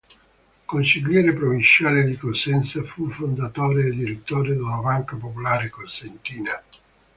Consigliere provinciale di Cosenza, fu fondatore e Direttore della Banca popolare cosentina.